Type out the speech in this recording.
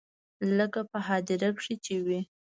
لکه په هديره کښې چې وي.